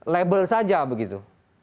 label saja begitu